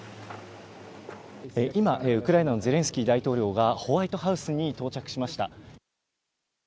今、ウクライナのゼレンスキー大統領がホワイトハウスに到着しました。